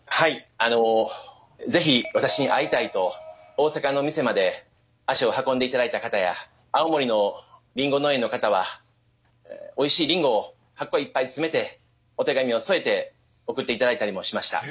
あの是非私に会いたいと大阪の店まで足を運んで頂いた方や青森のりんご農園の方はおいしいりんごを箱いっぱい詰めてお手紙を添えて送って頂いたりもしました。